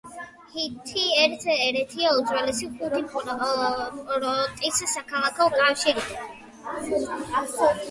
ჰითი ერთ-ერთია უძველესი ხუთი პორტის საქალაქო კავშირიდან.